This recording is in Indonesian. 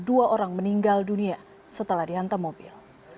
dua orang meninggal dunia setelah dihantam mobil